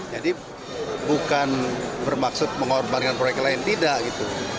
jadi bukan bermaksud mengorbankan proyek lain tidak gitu